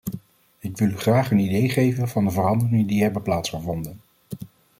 Ik wil u graag een idee geven van de veranderingen die hebben plaatsgevonden.